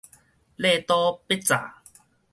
禮多必詐